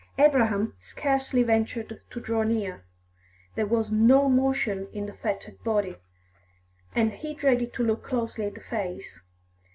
Abraham scarcely ventured to draw near; there was no motion in the fettered body, and he dreaded to look closely at the face.